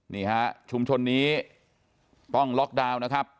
นี่ฮะชุมชนนี้ต้องล็อกดาวน์นะครับ